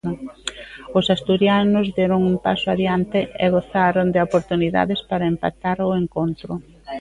Os asturianos deron un paso adíante e gozaron de oportunidades para empatar o encontro.